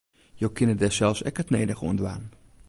Jo kinne dêr sels ek it nedige oan dwaan.